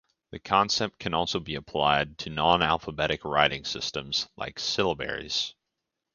The concept can also be applied to nonalphabetic writing systems like syllabaries.